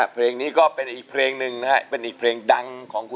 เพลงนี้ก็เป็นอีกเพลงนึงนะครับ